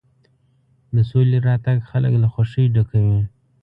د سولې راتګ خلک له خوښۍ ډکوي.